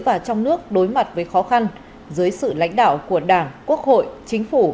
và trong nước đối mặt với khó khăn dưới sự lãnh đạo của đảng quốc hội chính phủ